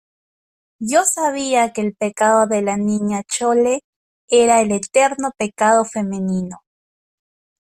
yo sabía que el pecado de la Niña Chole era el eterno pecado femenino